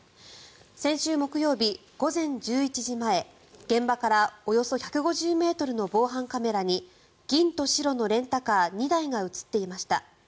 先週木曜日午前１１時前現場からおよそ１５０ｍの防犯カメラに銀と白のレンタカー２台が映っていました。